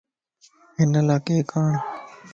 ھن لاڪيڪ آڻ